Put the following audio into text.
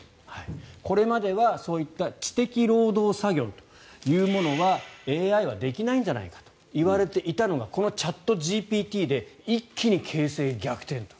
これまでは、そういった知的労働作業というものはＡＩはできないんじゃないかといわれていたのがこのチャットＧＰＴで一気に形勢逆転と。